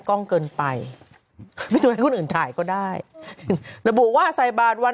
กล้องเกินไปไม่ชวนให้คนอื่นถ่ายก็ได้ระบุว่าใส่บาทวัน